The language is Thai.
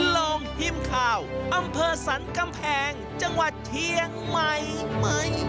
โรงพิมพ์ข่าวอำเภอสรรค์กำแพงจังหวัดเทียงใหม่